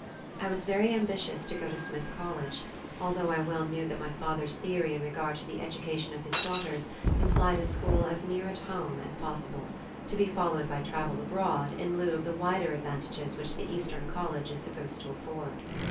I was very ambitious to go to Smith College, although I well knew that my father's theory in regard to the education of his daughters implied a school as near at home as possible, to be followed by travel abroad in lieu of the wider advantages which the eastern college is supposed to afford.